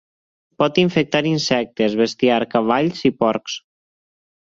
Pot infectar insectes, bestiar, cavalls i porcs.